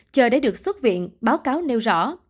chờ để được xuất viện báo cáo nêu rõ